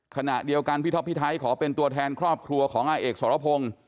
ขณะเดียวกันพี่ท็อปพี่ไทยขอเป็นตัวแทนครอบครัวของอาเอกสรพงศ์